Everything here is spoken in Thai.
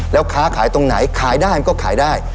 แล้วค้าขายตรงไหนขายได้มันก็ขายได้